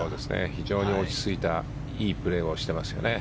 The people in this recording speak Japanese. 非常に落ち着いたいいプレーをしてますよね。